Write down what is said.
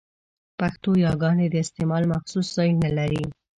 پښتو يګاني د استعمال مخصوص ځایونه لري؛